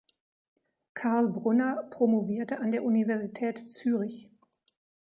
Karl Brunner promovierte an der Universität Zürich.